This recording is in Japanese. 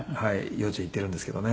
幼稚園行っているんですけどね。